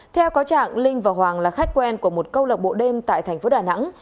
theo có trạng linh và hoàng là khách quen của một câu lạc bộ đêm tại tp đà nẵng